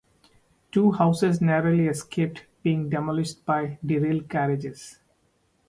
Two houses narrowly escaped being demolished by the derailed carriages.